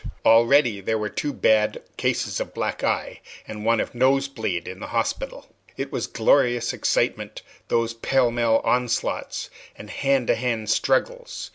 Already there were two bad cases of black eye, and one of nosebleed, in the hospital. It was glorious excitement, those pell mell onslaughts and hand to hand struggles.